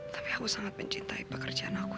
tapi aku sangat mencintai pekerjaan aku